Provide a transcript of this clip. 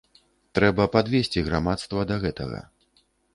Трэба падвесці грамадства да гэтага.